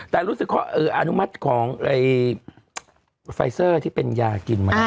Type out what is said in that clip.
แต่รู้สึกข้ออนุมัติของไฟเซอร์ที่เป็นยากินมาได้